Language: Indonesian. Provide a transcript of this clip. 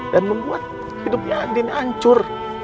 dan membuat hidupnya andin hancur